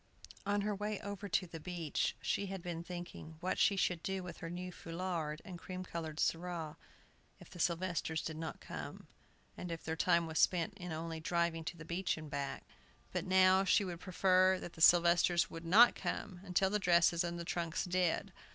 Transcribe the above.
On her way over to the beach she had been thinking what she should do with her new foulard and cream colored surah if the Sylvesters did not come, and if their time was spent in only driving to the beach and back. But now, she would prefer that the Sylvesters would not come till the dresses and the trunks did.